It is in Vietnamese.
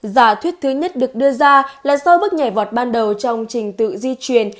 giả thuyết thứ nhất được đưa ra là do bước nhảy vọt ban đầu trong trình tự di truyền